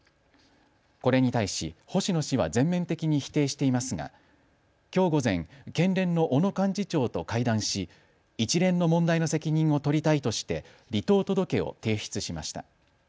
これに対し星野氏は全面的に否定していますがきょう午前、県連の小野幹事長と会談し一連の問題の責任を取りたいとして離党届を提出しました。